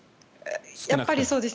やっぱりそうですね。